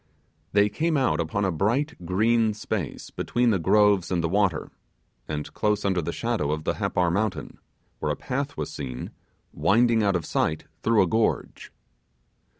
They came out upon a bright green space between the groves and the water, and close under the shadow of the Happar mountain, where a path was seen winding out of sight through a gorge.